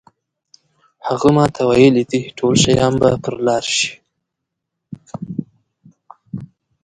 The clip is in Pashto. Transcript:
هغه ماته ویلي دي ټول شیان به پر لار شي.